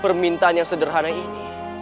permintaan yang sederhana ini